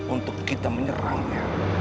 untuk kita menyerangnya